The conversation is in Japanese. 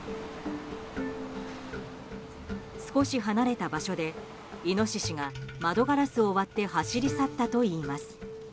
少し離れた場所でイノシシが窓ガラスを割って走り去ったといいます。